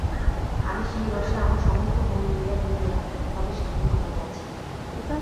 আমি সেই রসে আমার সমস্ত মন লইয়া ডুবিয়া তবে সান্ত্বনা পাইয়াছি।